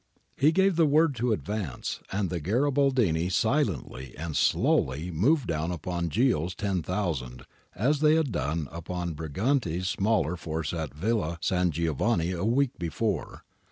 He gave the word to advance, and the Garibaldini silently and slowly moved down upon Ghio's ten thousand as they had done upon Briganti's smaller force at Villa San Giovanni a week before.